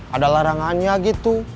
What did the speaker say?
ada larangannya gitu